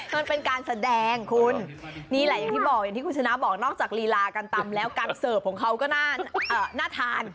มันเป็นการแสดงคุณนี่แหละอย่างที่บอกอย่างที่คุณชนะบอกนอกจากลีลาการตำแล้วการเสิร์ฟของเขาก็น่าทาน